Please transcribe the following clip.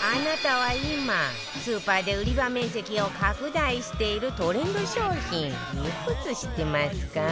あなたは今スーパーで売り場面積を拡大しているトレンド商品いくつ知ってますか？